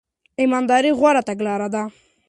ایمانداري غوره تګلاره ده.